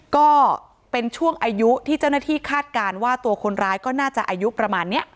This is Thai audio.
ก็เป็นช่วงอายุที่เจ้าหน้าที่คาดการณ์ว่าตัวคนร้ายก็น่าจะอายุประมาณนี้